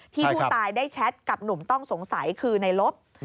ที่ผู้ตายได้แชทกับหนุ่มต้องสงสัยคือในลบ